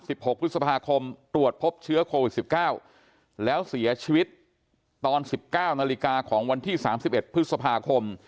หกพฤษภาคมตรวจพบเชื้อโควิดสิบเก้าแล้วเสียชีวิตตอนสิบเก้านาฬิกาของวันที่สามสิบเอ็ดพฤษภาคม